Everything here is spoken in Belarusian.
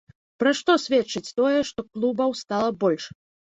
Пра што сведчыць тое, што клубаў стала больш?